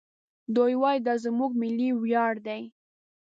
دوی وايي دا زموږ ملي ویاړ دی.